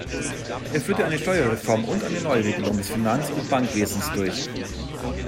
Er führte eine Steuerreform und eine Neuregelung des Finanz- und Bankwesens durch.